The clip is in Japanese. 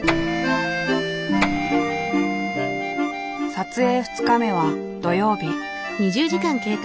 撮影２日目は土曜日。